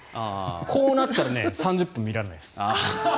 こうなったら３０分見られないです。